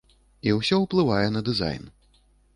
І ўсё ўплывае на дызайн.